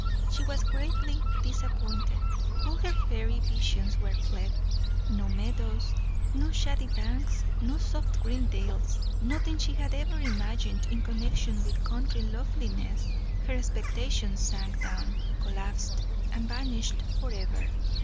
She was greatly disappointed. All her fairy visions were fled. No meadows, no shady banks, no soft green dales; nothing she had ever imagined in connection with country loveliness. Her expectations sank down, collapsed, and vanished for ever.